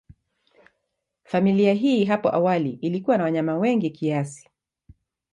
Familia hii hapo awali ilikuwa na wanyama wengi kiasi.